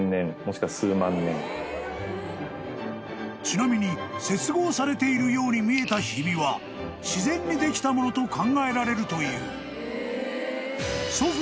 ［ちなみに接合されているように見えたひびは自然にできたものと考えられるという］